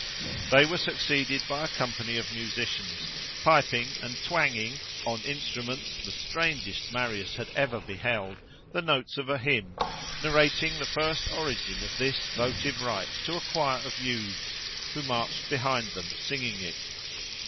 They were succeeded by a company of musicians, piping and twanging, on instruments the strangest Marius had ever beheld, the notes of a hymn, narrating the first origin of this votive rite to a choir of youths, who marched behind them singing it.